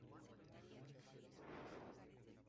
Frente a estos hechos, impulsó la atención pública.